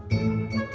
kami di lantai